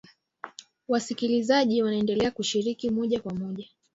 Wasikilizaji waendelea kushiriki moja kwa moja